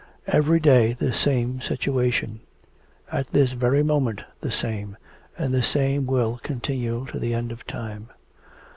Every day the same situation. At this very moment, the same, and the same will continue till the end of time.